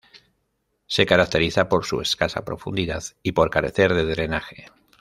Se caracteriza por su escasa profundidad, y por carecer de drenaje.